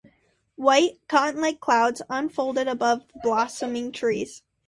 White, cottonlike clouds unfolded above the blossoming trees.